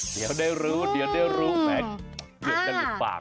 เดี๋ยวได้รู้แม็กซ์เลือกกันหนึ่งปาก